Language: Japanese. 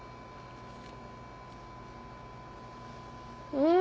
うん。